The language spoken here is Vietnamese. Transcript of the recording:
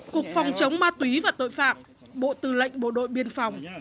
cục phòng chống ma túy và tội phạm bộ tư lệnh bộ đội biên phòng